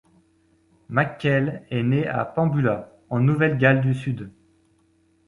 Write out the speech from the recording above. McKell est né à Pambula en Nouvelle-Galles du Sud.